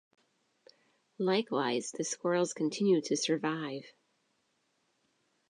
Likewise the squirrels continue to survive.